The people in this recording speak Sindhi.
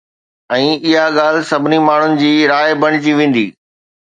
۽ اها ڳالهه سڀني ماڻهن جي راءِ بڻجي ويندي